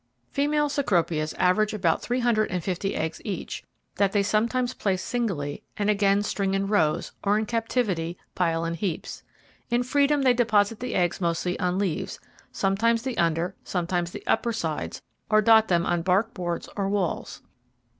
Female Cecropas average about three hundred and fifty eggs each, that they sometimes place singly, and again string in rows, or in captivity pile in heaps. In freedom they deposit the eggs mostly on leaves, sometimes the under, sometimes the upper, sides or dot them on bark, boards or walls.